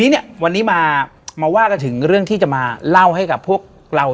ทีนี้เนี่ยวันนี้มาว่ากันถึงเรื่องที่จะมาเล่าให้กับพวกเรา